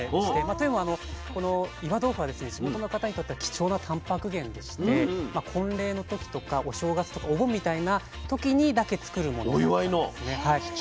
というのはこの岩豆腐は地元の方にとっては貴重なたんぱく源でして婚礼の時とかお正月とかお盆みたいな時にだけ作るものなんですね。